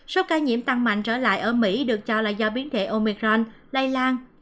số ca nhiễm tăng mạnh trở lại ở mỹ được cho là do biến thể omicron lây lan